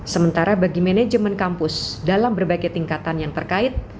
sementara bagi manajemen kampus dalam berbagai tingkatan yang terkait